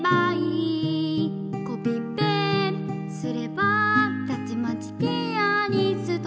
「コピッペすればたちまちピアニスト」